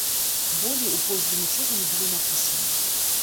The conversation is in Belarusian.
Болей у позве нічога не было напісана.